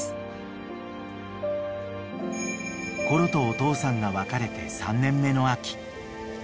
［コロとお父さんが別れて３年目の秋］